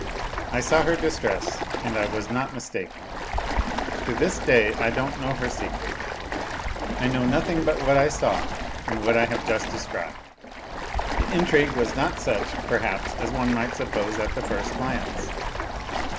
I saw her distress and I was not mistaken. To this day I don't know her secret. I know nothing but what I saw and what I have just described. The intrgiue was not such, perhaps, as one might suppose at the first glance.